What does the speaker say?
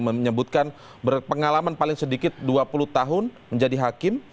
menyebutkan berpengalaman paling sedikit dua puluh tahun menjadi hakim